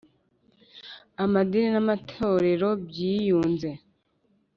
amadini n amatorero byiyunze